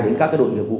đến các đội nhiệm vụ